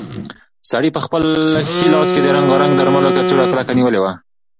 سړي په خپل ښي لاس کې د رنګارنګ درملو کڅوړه کلکه نیولې وه.